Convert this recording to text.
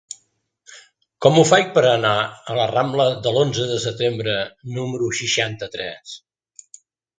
Com ho faig per anar a la rambla de l'Onze de Setembre número seixanta-tres?